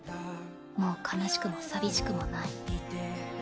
もう悲しくも寂しくもない。